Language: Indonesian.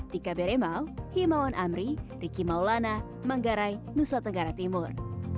dika beremao himawan amri riki maulana menggarai nusa tenggara timur